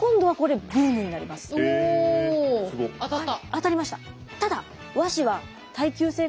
当たりました。